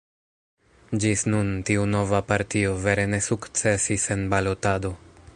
Ĝis nun tiu nova partio vere ne sukcesis en balotado.